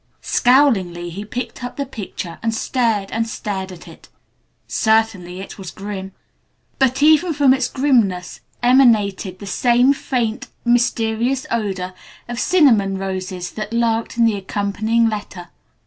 Scowlingly he picked up the picture and stared and stared at it. Certainly it was grim. But even from its grimness emanated the same faint, mysterious odor of cinnamon roses that lurked in the accompanying letter.